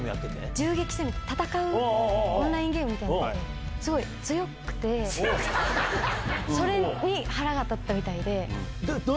銃撃戦みたいな、戦うオンラインゲームみたいなやつを、すごい強くて、それに腹が立ったみたいで。